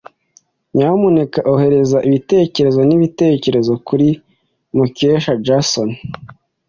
Nyamuneka ohereza ibitekerezo n'ibitekerezo kuri Mukesha Jason.